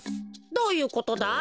どういうことだ？